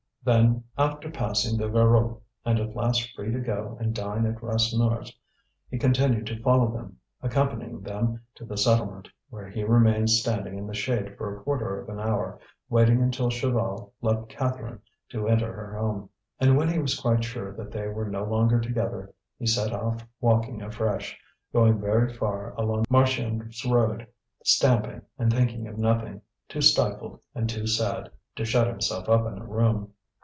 Then, after passing the Voreux, and at last free to go and dine at Rasseneur's, he continued to follow them, accompanying them to the settlement, where he remained standing in the shade for a quarter of an hour, waiting until Chaval left Catherine to enter her home. And when he was quite sure that they were no longer together, he set off walking afresh, going very far along the Marchiennes road, stamping, and thinking of nothing, too stifled and too sad to shut himself up in a room.